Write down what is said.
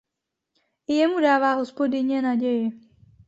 I jemu dává hospodyně naději.